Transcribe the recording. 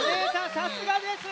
さすがです！